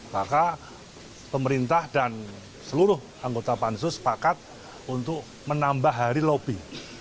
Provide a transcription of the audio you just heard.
maka pemerintah dan seluruh anggota pansus sepakat untuk menambah hari lobby